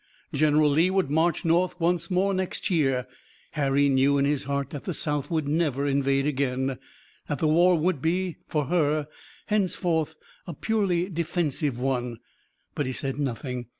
General Lee would march North once more next year. Harry knew in his heart that the South would never invade again, that the war would be for her henceforth a purely defensive one, but he said nothing.